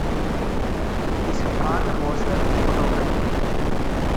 His father was a photographer.